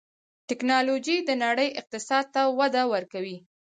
ټکنالوجي د نړۍ اقتصاد ته وده ورکوي.